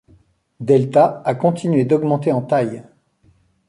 Delta a continué d'augmenter en taille.